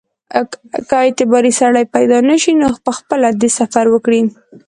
که اعتباري سړی پیدا نه شي نو پخپله دې سفر وکړي.